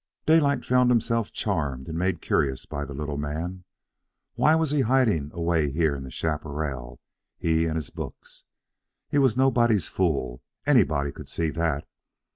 Daylight found himself charmed and made curious by the little man. Why was he hiding away here in the chaparral, he and his books? He was nobody's fool, anybody could see that.